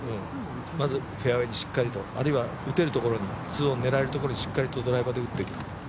まずフェアウェーにしっかりと、あるいは打てるところに、２オン狙えるところにドライバーでしっかり打っていく。